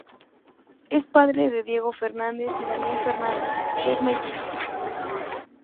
Es padre de Diego Fernández y Daniel Fernández, dos mellizos.